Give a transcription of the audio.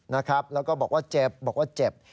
แล้วก็บอกว่าเจ็บบอกว่าเจ็บ